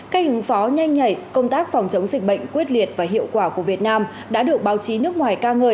cách ứng phó nhanh nh nhảy công tác phòng chống dịch bệnh quyết liệt và hiệu quả của việt nam đã được báo chí nước ngoài ca ngợi